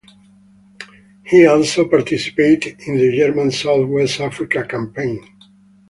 He also participated in the German South West Africa Campaign.